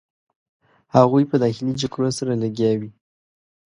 هغوی په داخلي جګړو سره لګیا وې.